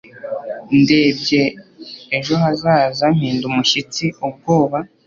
Ndebye ejo hazaza mpinda umushyitsi ubwoba